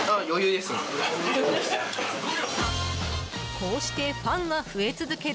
こうしてファンが増え続ける